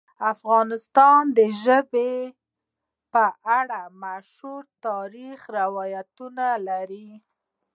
افغانستان د ژبې په اړه مشهور تاریخی روایتونه لري.